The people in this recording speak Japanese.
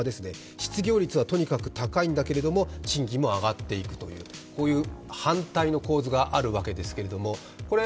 失業率はとにかく高いんだけれども、賃金も上がっていくという反対の構図があるわけですけれども、これ、